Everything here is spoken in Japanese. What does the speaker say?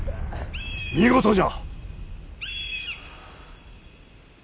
見事じゃ。